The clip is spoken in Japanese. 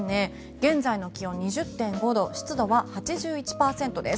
現在の気温２０．５度湿度は８１％です。